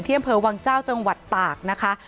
เที่ยงเผลอวังเจ้าจังหวัดตากนะคะ